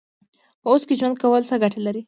په اوس کې ژوند کول څه ګټه لري؟